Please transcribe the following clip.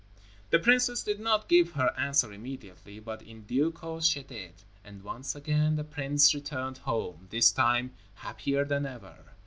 The princess did not give her answer immediately, but in due course she did; and once again, the prince returned home, this time happier than ever.